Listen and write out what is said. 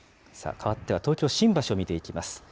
変わっては東京・新橋を見ていきます。